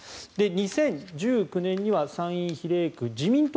２０１９年には参院比例区自民党